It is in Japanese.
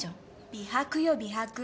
美白よ美白。